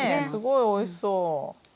すごいおいしそう！